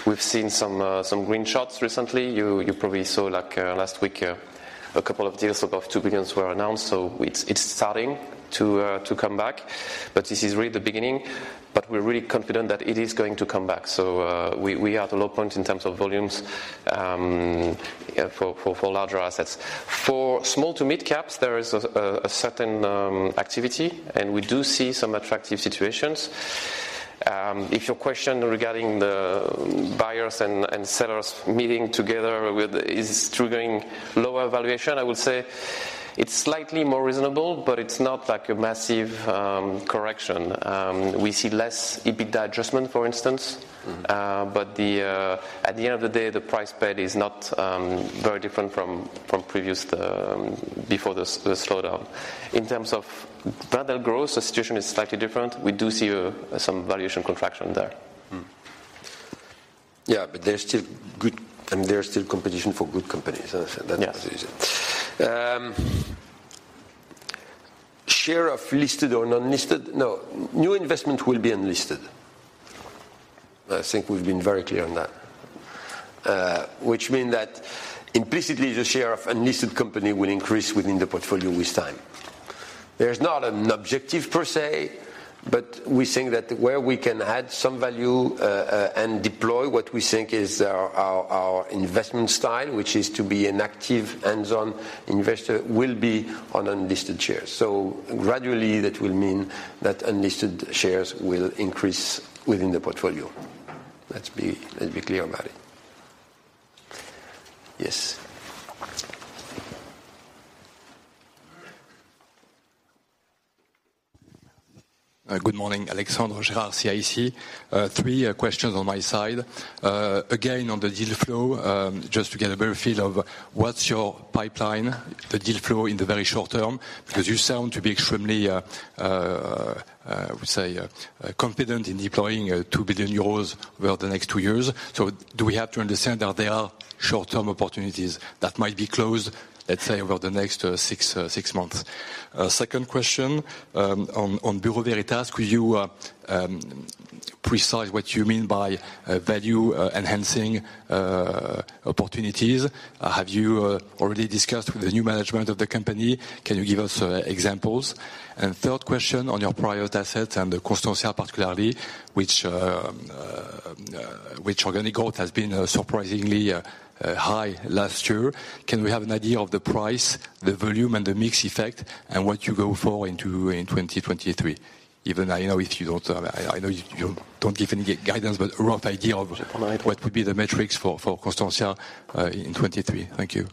We've seen some green shots recently. You probably saw, like, last week, a couple of deals above 2 billion were announced. It's starting to come back, but this is really the beginning. We're really confident that it is going to come back. We are at a low point in terms of volumes for larger assets. For small to mid caps, there is a certain activity. We do see some attractive situations. If your question regarding the buyers and sellers meeting together with is triggering lower valuation, I would say it's slightly more reasonable, but it's not like a massive correction. We see less EBITDA adjustment, for instance. The at the end of the day, the price paid is not very different from previous before the slowdown. In terms of venture growth, the situation is slightly different. We do see some valuation contraction there. Yeah, there's still competition for good companies. That's easy. Yes. Share of listed or non-listed? No. New investment will be unlisted. I think we've been very clear on that. Which mean that implicitly, the share of unlisted company will increase within the portfolio with time. There's not an objective per se, but we think that where we can add some value, and deploy what we think is our, our investment style, which is to be an active hands-on investor, will be on unlisted shares. Gradually, that will mean that unlisted shares will increase within the portfolio. Let's be clear about it. Yes. Good morning, Alexandre Gérard, CIC. Three questions on my side. Again, on the deal flow, just to get a better feel of what's your pipeline, the deal flow in the very short term, because you sound to be extremely, I would say, confident in deploying 2 billion euros over the next two years. Do we have to understand are there are short-term opportunities that might be closed, let's say over the next six months? Second question, on Bureau Veritas, could you precise what you mean by value enhancing opportunities? Have you already discussed with the new management of the company? Can you give us examples? Third question on your private assets and Constantia particularly which organic growth has been surprisingly high last year. Can we have an idea of the price, the volume, and the mix effect and what you go for into 2023? Even I know if you don't, I know you don't give any guidance, but a rough idea of what would be the metrics for Constantia in 2023. Thank you.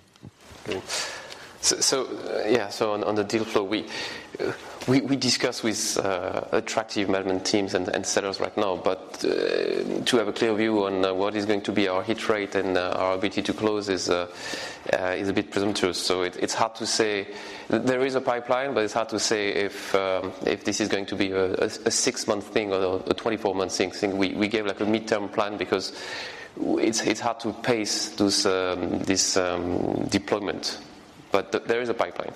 Yeah, on the deal flow, we discuss with attractive management teams and sellers right now. To have a clear view on what is going to be our hit rate and our ability to close is a bit presumptuous, so it's hard to say. There is a pipeline, but it's hard to say if this is going to be a 6-month thing or a 24-month thing. We gave like a midterm plan because it's hard to pace this deployment. There is a pipeline.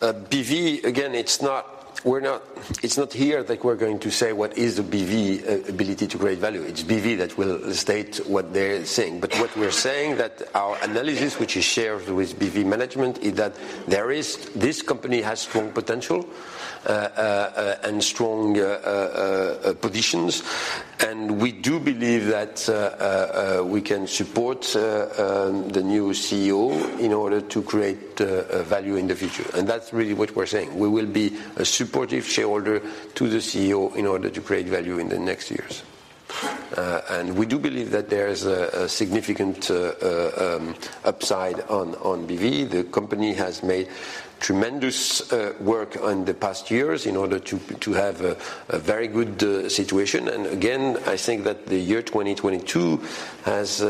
BV, again, it's not here that we're going to say what is the BV ability to create value. It's BV that will state what they're saying. What we're saying that our analysis, which is shared with BV management, is that there is. This company has strong potential and strong positions. We do believe that we can support the new CEO in order to create value in the future. That's really what we're saying. We will be a supportive shareholder to the CEO in order to create value in the next years. We do believe that there is a significant upside on BV. The company has made tremendous work in the past years in order to have a very good situation. Again, I think that the year 2022 has...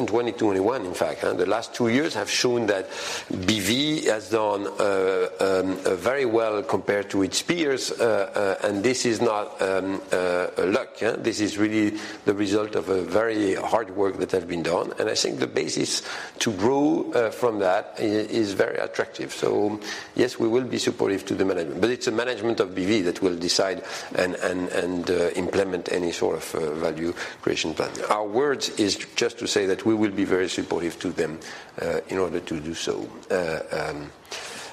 In 2021, in fact, the last 2 years have shown that BV has done very well compared to its peers. This is not luck, yeah. This is really the result of a very hard work that has been done. I think the basis to grow from that is very attractive. Yes, we will be supportive to the management, but it's the management of BV that will decide and implement any sort of value creation plan. Our words is just to say that we will be very supportive to them in order to do so.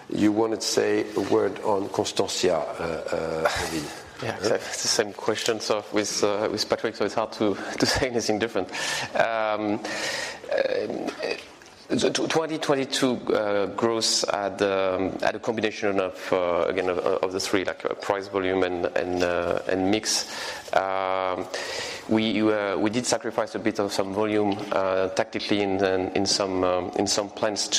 You wanted to say a word on Constantia, maybe. Yeah. It's the same question, so with Patrick, so it's hard to say anything different. 2022 growth had a combination of again, of the three, like price, volume, and mix. We did sacrifice a bit of some volume tactically in some plans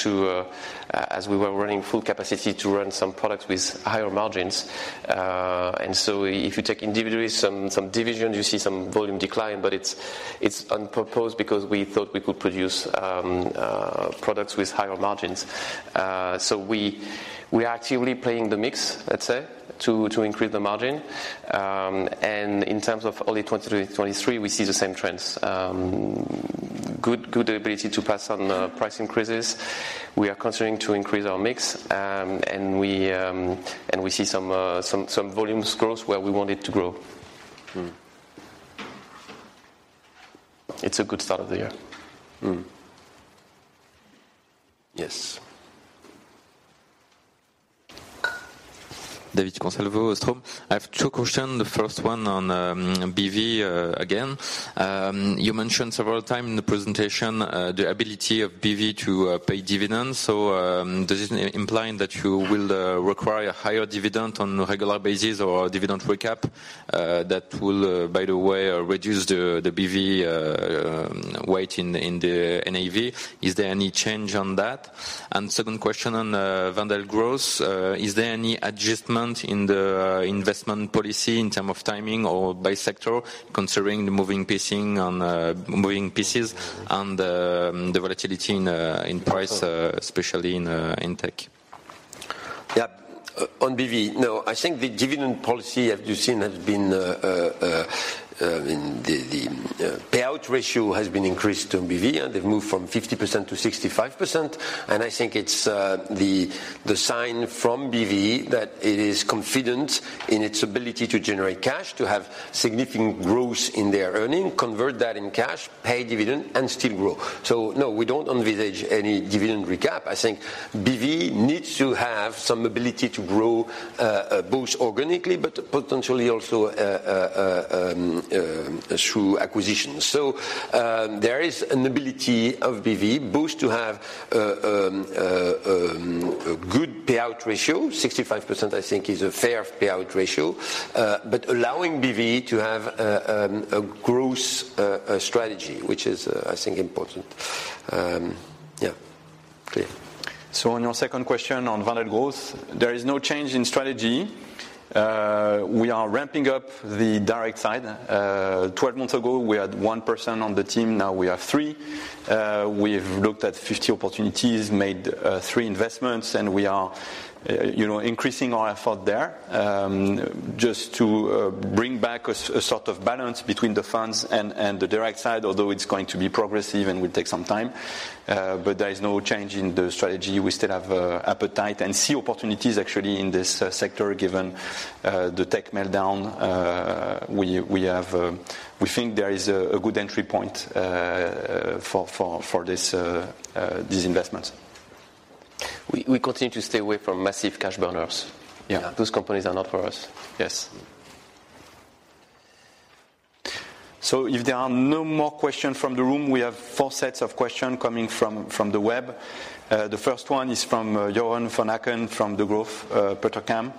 as we were running full capacity to run some products with higher margins. If you take individually some divisions, you see some volume decline, but it's on purpose because we thought we could produce products with higher margins. We are actively playing the mix, let's say, to increase the margin. In terms of early 2023, we see the same trends. Good ability to pass on price increases. We are continuing to increase our mix. We see some volumes growth where we want it to grow. It's a good start of the year. Yes. David Consalvo, Ostrum. I have two question. The first one on BV again. You mentioned several time in the presentation the ability of BV to pay dividends. This is implying that you will require a higher dividend on a regular basis or a dividend recap that will, by the way, reduce the BV weight in the NAV. Is there any change on that? Second question on Wendel Growth. Is there any adjustment in the investment policy in term of timing or by sector considering the moving pieces and the volatility in price, especially in tech? On BV, no, I think the dividend policy, as you've seen, has been, I mean, the payout ratio has been increased on BV, they've moved from 50%-65%. I think it's the sign from BV that it is confident in its ability to generate cash, to have significant growth in their earning, convert that in cash, pay dividend and still grow. No, we don't envisage any dividend recap. I think BV needs to have some ability to grow, both organically but potentially also through acquisitions. There is an ability of BV both to have a good payout ratio, 65% I think is a fair payout ratio. Allowing BV to have a growth strategy, which is I think important. Yeah. Clear. On your second question on Wendel Growth, there is no change in strategy. We are ramping up the direct side. 12 months ago, we had 1 person on the team, now we have 3. We've looked at 50 opportunities, made 3 investments, and we are, you know, increasing our effort there, just to bring back a sort of balance between the funds and the direct side, although it's going to be progressive and will take some time. There is no change in the strategy. We still have appetite and see opportunities actually in this sector, given the tech meltdown. We think there is a good entry point for this, these investments. We continue to stay away from massive cash burners. Yeah. Those companies are not for us. Yes. If there are no more questions from the room, we have four sets of questions coming from the web. The first one is from Johan von Achen from the Growth Platform.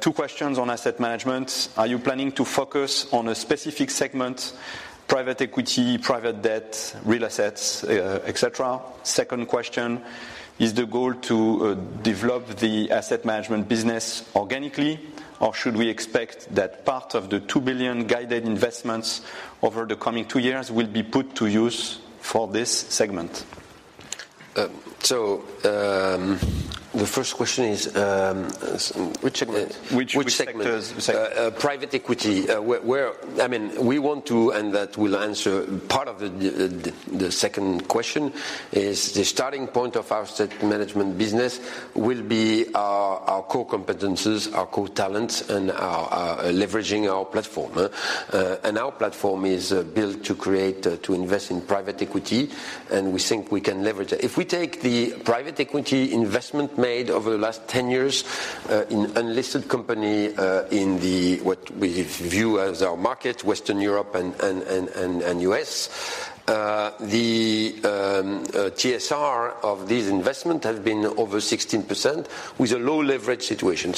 Two questions on asset management. Are you planning to focus on a specific segment, private equity, private debt, real assets, et cetera? Second question, is the goal to develop the asset management business organically, or should we expect that part of the 2 billion guided investments over the coming 2 years will be put to use for this segment? The first question is. Which segment? Which sectors? Which segment? I mean, we want to, and that will answer part of the second question. The starting point of our asset management business will be our core competencies, our core talents, and our leveraging our platform. Our platform is built to create, to invest in private equity, and we think we can leverage it. If we take the private equity investment made over the last 10 years, in unlisted company, in the, what we view as our market, Western Europe and U.S., the TSR of these investment has been over 16% with a low leverage situation.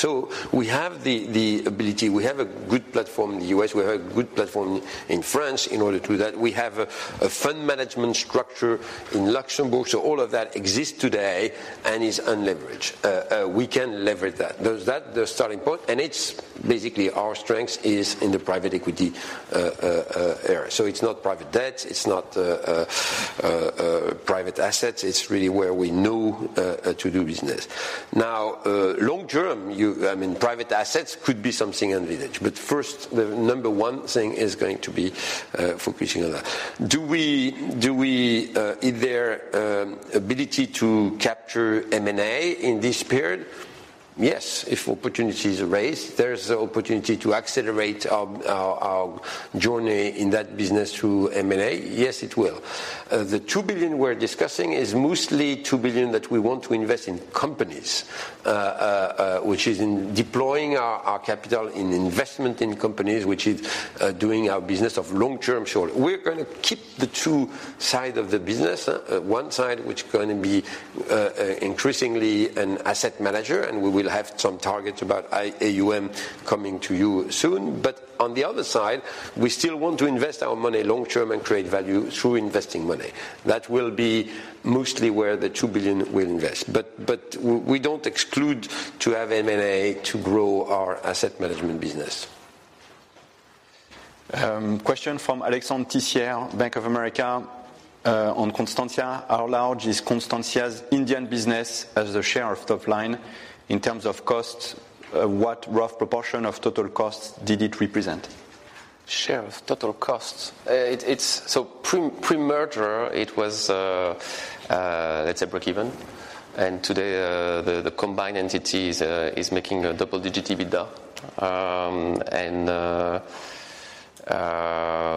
We have the ability, we have a good platform in the U.S., we have a good platform in France in order to do that. We have a fund management structure in Luxembourg. All of that exists today and is unleveraged. We can leverage that. There's that, the starting point. It's basically our strength is in the private equity area. It's not private debt, it's not private assets. It's really where we know to do business. Long term, I mean, private assets could be something unleveraged. First, the number one thing is going to be focusing on that. Do we, is there ability to capture M&A in this period? Yes. If opportunities arise, there's the opportunity to accelerate our journey in that business through M&A. Yes, it will. The 2 billion we're discussing is mostly 2 billion that we want to invest in companies, which is in deploying our capital in investment in companies, which is doing our business of long-term short-term. We're gonna keep the two side of the business. One side, which is gonna be increasingly an asset manager, and we will have some targets about AUM coming to you soon. On the other side, we still want to invest our money long-term and create value through investing money. That will be mostly where the 2 billion will invest. We don't exclude to have M&A to grow our asset management business. Question from Alexandre Tissieres, Bank of America, on Constantia. How large is Constantia's Indian business as a share of top line? In terms of costs, what rough proportion of total costs did it represent? Share of total costs. Pre-merger, it was, let's say breakeven. Today, the combined entities is making a double-digit EBITDA.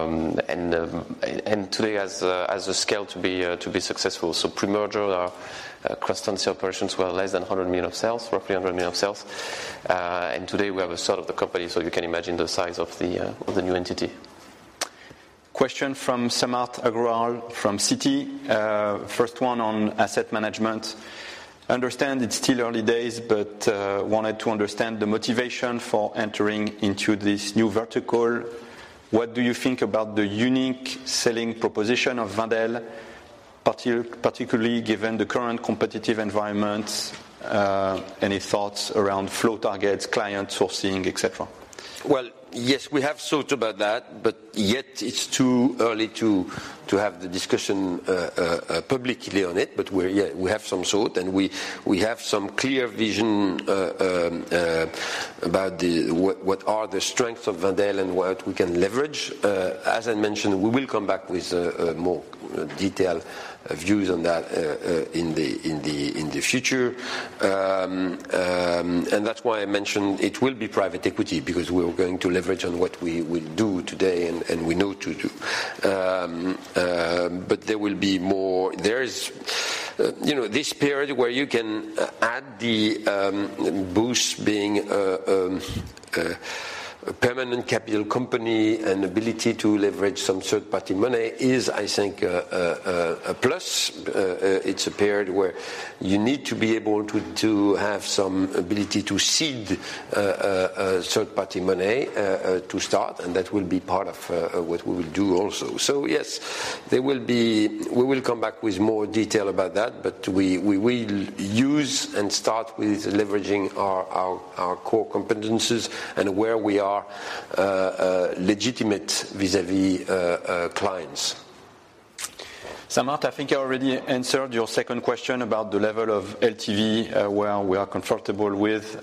And today has the scale to be successful. Pre-merger, our Constantia operations were less than 100 million of sales, roughly 100 million of sales. Today we have a sort of the company, so you can imagine the size of the new entity. Question from Samarth Agrawal from Citi. First one on asset management. Understand it's still early days, but wanted to understand the motivation for entering into this new vertical. What do you think about the unique selling proposition of Wendel, particularly given the current competitive environment? Any thoughts around flow targets, clients sourcing, et cetera? Well, yes, we have thought about that, but yet it's too early to have the discussion publicly on it. We're, yeah, we have some thought, and we have some clear vision about what are the strengths of Wendel and what we can leverage. As I mentioned, we will come back with more detailed views on that in the future. That's why I mentioned it will be private equity, because we're going to leverage on what we will do today and we know to do. But there will be more. There is, you know, this period where you can add the boost being a permanent capital company and ability to leverage some third-party money is, I think, a plus. It's a period where you need to be able to have some ability to seed third-party money to start, and that will be part of what we will do also. We will come back with more detail about that, but we will use and start with leveraging our core competencies and where we are legitimate vis-à-vis clients. Samarth, I think I already answered your second question about the level of LTV, where we are comfortable with,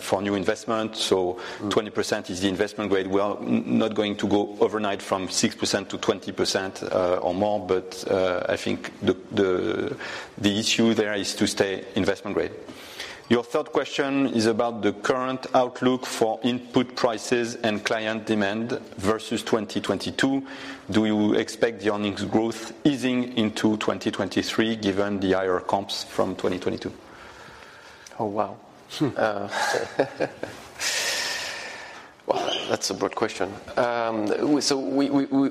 for new investment. 20% is the investment grade. We are not going to go overnight from 6%-20% or more. I think the issue there is to stay investment grade. Your third question is about the current outlook for input prices and client demand versus 2022. Do you expect the earnings growth easing into 2023, given the higher comps from 2022? Oh, wow. Well, that's a broad question.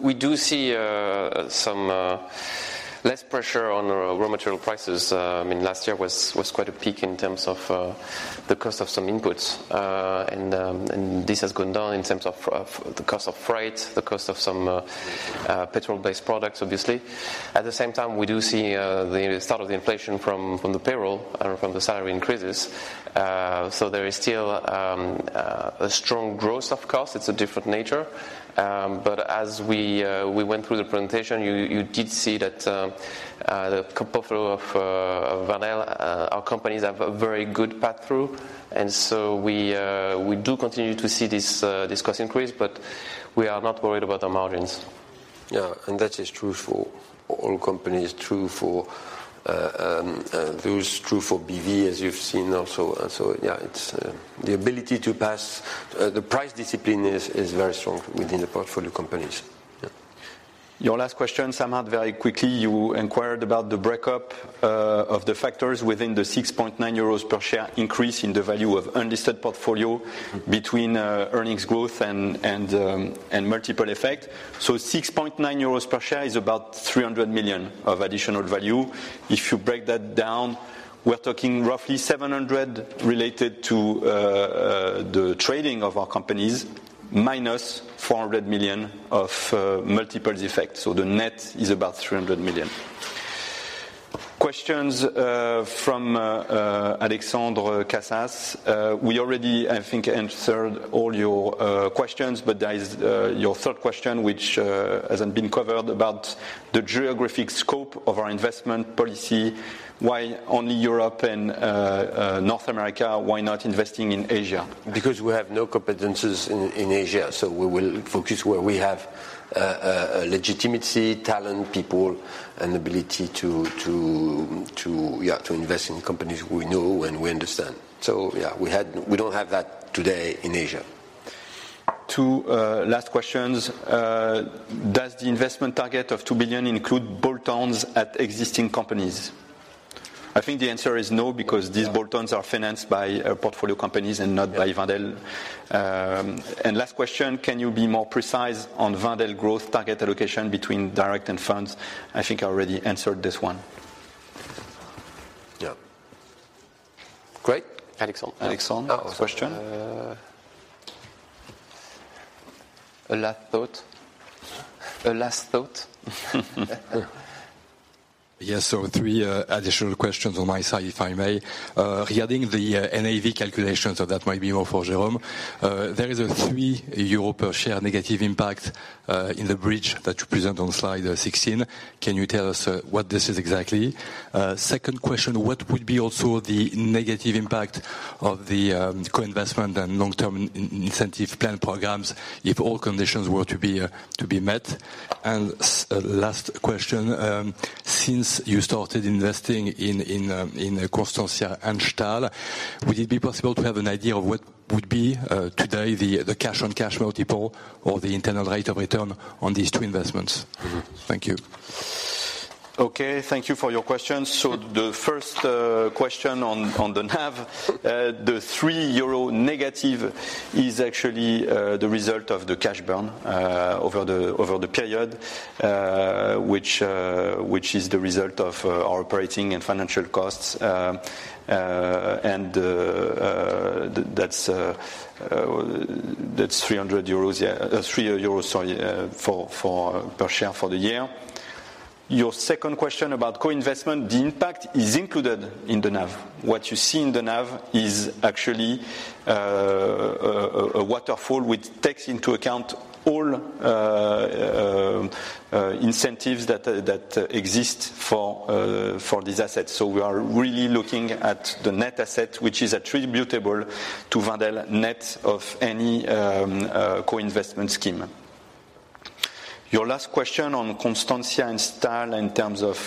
We do see some less pressure on raw material prices. I mean, last year was quite a peak in terms of the cost of some inputs. This has gone down in terms of the cost of freight, the cost of some petrol-based products, obviously. At the same time, we do see the start of the inflation from the payroll or from the salary increases. There is still a strong growth of costs. It's a different nature. As we went through the presentation, you did see that the portfolio of Wendel, our companies have a very good pass-through. We do continue to see this cost increase, but we are not worried about our margins. Yeah. That is true for all companies. True for those true for BV, as you've seen also. Yeah, it's the ability to pass the price discipline is very strong within the portfolio companies. Yeah. Your last question, Samarth, very quickly. You inquired about the break-up of the factors within the 6.9 euros per share increase in the value of unlisted portfolio between earnings growth and multiple effect. 6.9 euros per share is about 300 million of additional value. If you break that down, we're talking roughly 700 million related to the trading of our companies, minus 400 million of multiples effect. The net is about 300 million. Questions from Alexandre Casas. We already, I think, answered all your questions, but there is your third question, which hasn't been covered about the geographic scope of our investment policy. Why only Europe and North America? Why not investing in Asia? We have no competencies in Asia, so we will focus where we have legitimacy, talent, people, and ability to invest in companies we know and we understand. Yeah, we don't have that today in Asia. Two last questions. Does the investment target of 2 billion include bolt-ons at existing companies? I think the answer is no, because these bolt-ons are financed by portfolio companies and not by Wendel. Last question, can you be more precise on Wendel Growth target allocation between direct and funds? I think I already answered this one. Yeah. Great. Alexandre, question. Oh... A last thought. Yes. Three additional questions on my side, if I may. Regarding the NAV calculations, that might be more for Jérôme. There is a 3 euro per share negative impact in the bridge that you present on Slide 16. Can you tell us what this is exactly? Second question, what would be also the negative impact of the co-investment and long-term incentive plan programs if all conditions were to be met? Last question, since you started investing in Constantia and Stahl, would it be possible to have an idea of what would be today the cash-on-cash multiple or the internal rate of return on these two investments? Thank you. Okay, thank you for your questions. The first question on the NAV. The 3 euro negative is actually the result of the cash burn over the period, which is the result of our operating and financial costs. That's EUR 300, yeah, EUR 3, sorry, per share for the year. Your second question about co-investment, the impact is included in the NAV. What you see in the NAV is actually a waterfall which takes into account all incentives that exist for these assets. We are really looking at the net asset, which is attributable to Wendel net of any co-investment scheme. Your last question on Constantia and Stahl in terms of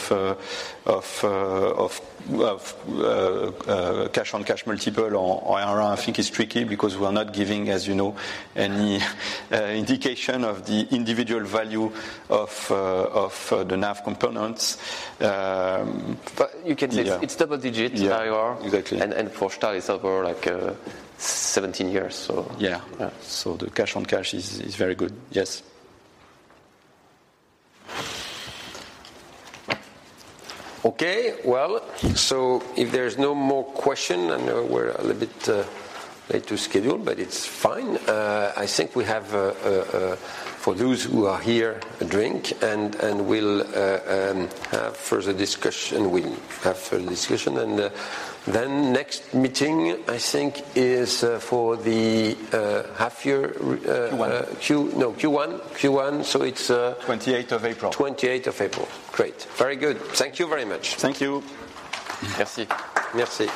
cash-on-cash multiple or IRR, I think is tricky because we're not giving, as you know, any indication of the individual value of the NAV components. You can say. Yeah. It's double-digit. Yeah. IRR. Exactly. For Stahl it's over like 17 years, so. Yeah. The cash on cash is very good. Yes. Well, if there's no more question, I know we're a little bit late to schedule, but it's fine. I think we have a for those who are here, a drink, and we'll have further discussion. We'll have further discussion. Then next meeting, I think, is for the half-year. Q1. No, Q1, so it's... 28th of April. 28th of April. Great. Very good. Thank you very much. Thank you. Merci. Merci.